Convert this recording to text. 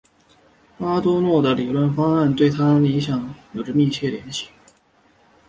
阿多诺的理论方法与他对音乐的理解有着密切联系。